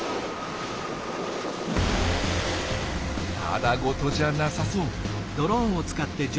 ただごとじゃなさそう。